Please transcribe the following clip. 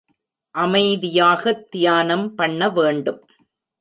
அமைதியாகத் தியானம் பண்ண வேண்டும்.